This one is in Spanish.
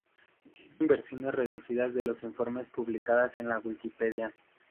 Existen versiones reducidas de los informes publicadas en la Wikipedia.